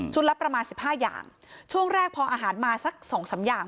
ชุดละประมาณ๑๕อย่างช่วงแรกพออาหารมาสัก๒๓อย่าง